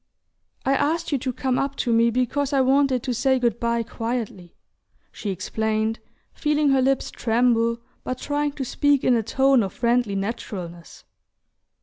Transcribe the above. "I asked you to come up to me because I wanted to say good bye quietly," she explained, feeling her lips tremble, but trying to speak in a tone of friendly naturalness.